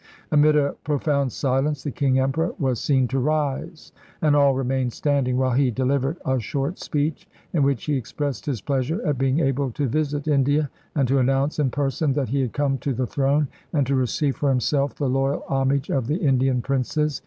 Amid a profound silence the King Emperor was seen to rise, and all remained standing while he delivered a short speech, in which he expressed his pleasure at being able to visit India, and to announce in person that he had come to the throne, and to receive for himself the loyal homage of the Indian princes.